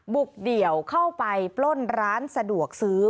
เดี่ยวเข้าไปปล้นร้านสะดวกซื้อ